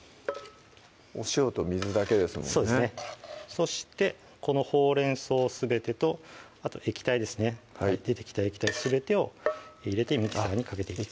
そしてこのほうれん草すべてとあと液体ですね出てきた液体すべてを入れてミキサーにかけていきます